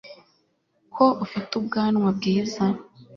ko ufite ubwanwa bwiza